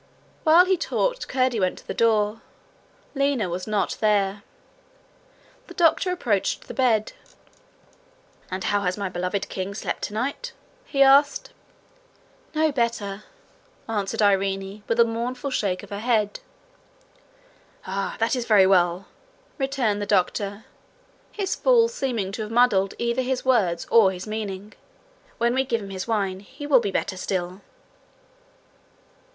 While he talked Curdie went to the door: Lina was not there. The doctor approached the bed. 'And how has my beloved king slept tonight?' he asked. 'No better,' answered Irene, with a mournful shake of her head. 'Ah, that is very well!' returned the doctor, his fall seeming to have muddled either his words or his meaning. 'When we give him his wine, he will be better still.'